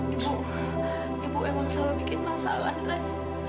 ibu ibu emang salah bikin masalah ray